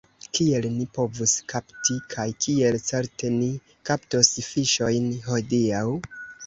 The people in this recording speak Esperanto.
Kiel ni povus kapti, kaj kiel certe ni kaptos fiŝojn hodiaŭ?